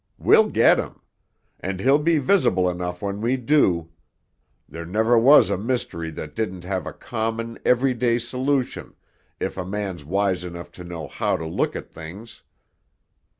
We'll get him! And he'll be visible enough when we do! There never was a mystery that didn't have a common, everyday solution, if a man's wise enough to know how to look at things.